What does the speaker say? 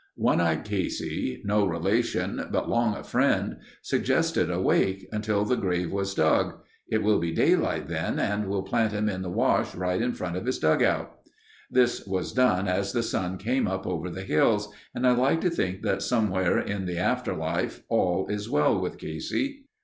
One eyed Casey—no relation, but long a friend, suggested a wake until the grave was dug. "It will be daylight then and we'll plant him in the wash right in front of his dugout." This was done as the sun came over the hills and I like to think that somewhere in the after life, all is well with Casey.